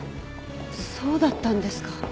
そうだったんですか。